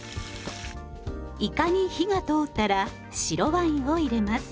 いかに火が通ったら白ワインを入れます。